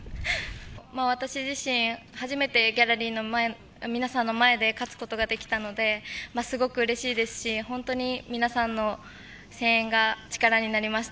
私自身、初めてギャラリーの皆さんの前で勝つことができたので、すごくうれしいですし、本当に皆さんの声援が力になりました。